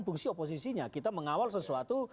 fungsi oposisinya kita mengawal sesuatu